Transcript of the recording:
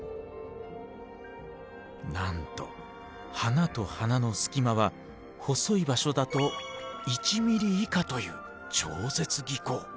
なんと花と花の隙間は細い場所だと１ｍｍ以下という超絶技巧。